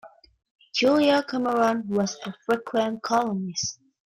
Julia Cameron was a frequent columnist.